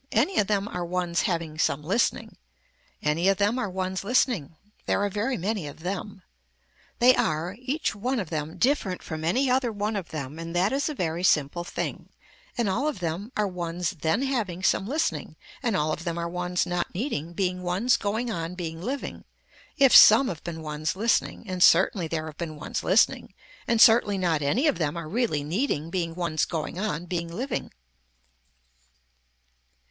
Any of them are ones having some listening. Any of them are ones listening. There are very many of them. They are, each one of them different from any other one of them and that is a very simple thing and all of them are ones then having some listening and all of them are ones not needing being ones going on being living if some have been ones listening and certainly there have been ones listening and certainly not any of them are really needing being ones going on being living.